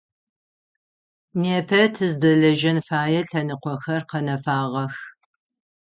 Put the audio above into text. Непэ тыздэлэжьэн фэе лъэныкъохэр къэнэфагъэх.